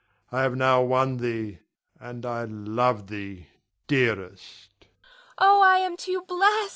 I have now won thee, and I love thee, dearest. Nina. Oh, I am too blest!